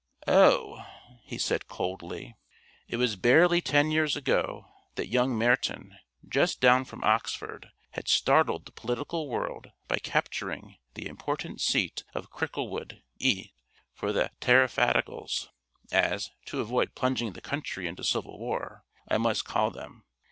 "Oh!" he said coldly. It was barely ten years ago that young Meryton, just down from Oxford, had startled the political world by capturing the important seat of Cricklewood (E.) for the Tariffadicals as, to avoid plunging the country into Civil War, I must call them.